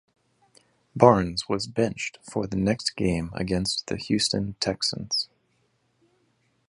Barnes was benched for the next game against the Houston Texans.